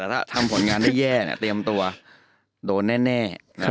แต่ถ้าทำผลงานได้แย่เตรียมตัวโดนแน่